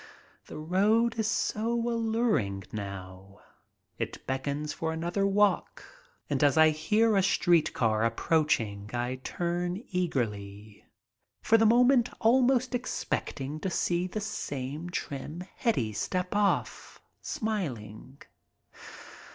The road is so alluring now. It beckons for another walk, and as I hear a street car approaching I turn THE HAUNTS OF MY CHILDHOOD 6i eagerly, for the moment almost expecting to see the same trim Hetty step off, smiling.